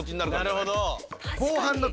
なるほど。